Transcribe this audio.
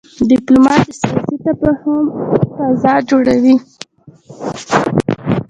ډيپلومات د سیاسي تفاهم فضا جوړوي.